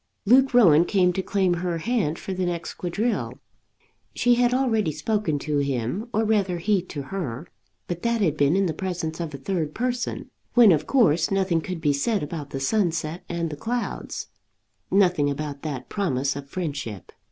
Luke Rowan came to claim her hand for the next quadrille. She had already spoken to him, or rather he to her; but that had been in the presence of a third person, when, of course, nothing could be said about the sunset and the clouds, nothing about that promise of friendship.